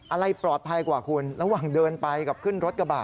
อะไรปลอดภัยกว่าคุณระหว่างเดินไปกับขึ้นรถกระบะ